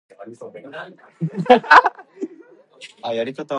The novel recounts the devastating effects on all concerned.